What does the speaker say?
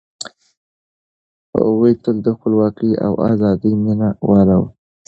هغوی تل د خپلواکۍ او ازادۍ مينه وال وو.